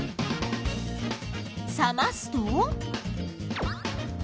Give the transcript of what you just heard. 冷ますと。